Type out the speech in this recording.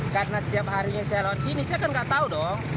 karena setiap harinya saya lewat sini saya kan nggak tahu dong